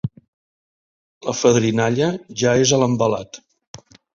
La fadrinalla ja és a l'envelat.